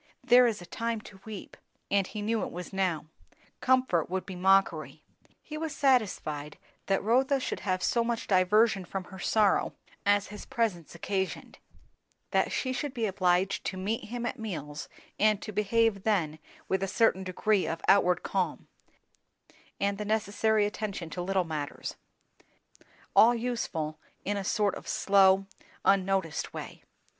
"There is a time to weep"; and he knew it was now; comfort would be mockery. He was satisfied that Rotha should have so much diversion from her sorrow as his presence occasioned; that she should be obliged to meet him at meals, and to behave then with a certain degree of outward calm, and the necessary attention to little matters; all useful in a sort of slow, unnoticed way.